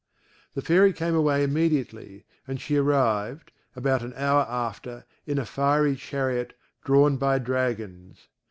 The Fairy came away immediately, and she arrived, about an hour after, in a fiery chariot, drawn by dragons.